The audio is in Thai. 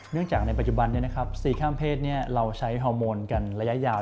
จากในปัจจุบัน๔ข้ามเพศเราใช้ฮอร์โมนกันระยะยาว